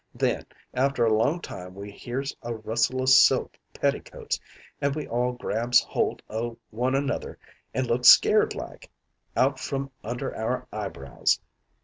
"Then after a long time we hears a rustle o' silk petticoats, an' we all grabs holt o' one another an' looks scared like, out from under our eyebrows.